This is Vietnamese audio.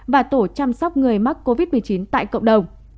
và tổ chăm sóc người mắc covid một mươi chín tại cộng đồng